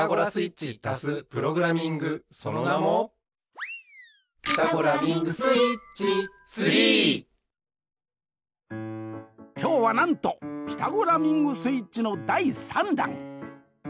そのなもきょうはなんと「ピタゴラミングスイッチ」の第３弾！